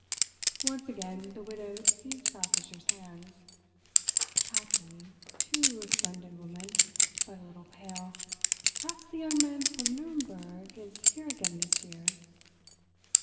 Once again the Widow seized Frau Fischer's hands. "Kathi, too, a splendid woman; but a little pale. Perhaps the young man from Nürnberg is here again this year.